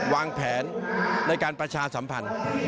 วางแผนในการประชาสัมพันธ์